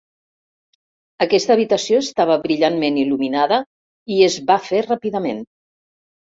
Aquesta habitació estava brillantment il·luminada i es va fer ràpidament.